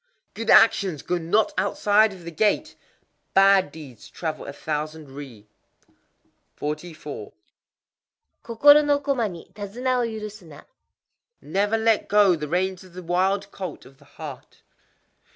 _ Good actions go not outside of the gate: bad deeds travel a thousand ri. 44.—Kokoro no koma ni tadzuna wo yuru suna. Never let go the reins of the wild colt of the heart.